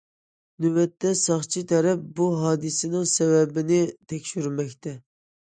نۆۋەتتە، ساقچى تەرەپ بۇ ھادىسىنىڭ سەۋەبىنى تەكشۈرمەكتە.